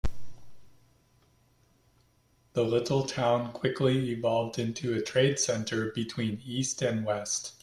The little town quickly evolved into a trade center between east and west.